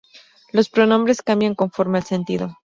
Los pronombres cambian conforme al sentido.